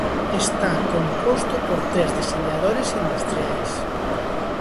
Está composto por tres deseñadores industriais.